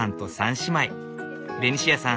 ベニシアさん